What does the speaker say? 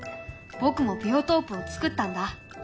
僕もビオトープをつくったんだ。